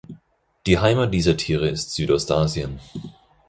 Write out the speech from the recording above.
Die Heimat dieser Tiere ist Südostasien.